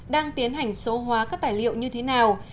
đang tiến hành số hóa các tài liệu như thế nào